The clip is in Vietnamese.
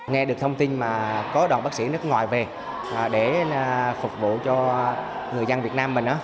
nghe được thông tin mà có đoàn bác sĩ nước ngoài về để phục vụ cho người dân việt nam mình á